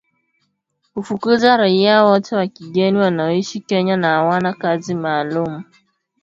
Kufukuza raia wote wa kigeni wanaoishi Kenya na hawana kazi maalum